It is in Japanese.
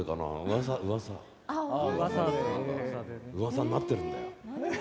噂になってるんだよ。